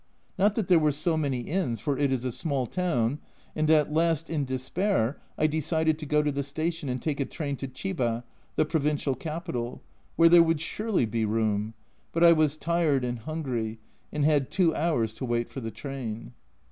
Not that there were so A Journal from Japan 133 many inns, for it is a small town, and at last, in despair, I decided to go to the station and take a train to Chiba, the provincial capital, where there would surely be room, but I was tired and hungry, and had two hours to wait for the train.